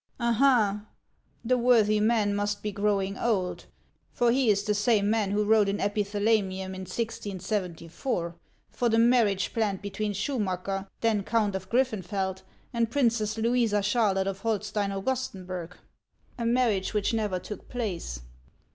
" Ah, ha ! The worthy man must be growing old, for lie is the same man who wrote an epithalamium in 1074, for the marriage planned between Schumacker, then Count of Griffenfeld, and Princess Louisa Charlotte of Holstein Augustenbuvi' — a marriage which never took place.